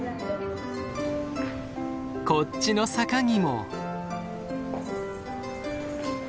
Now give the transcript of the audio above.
こっちの坂にも。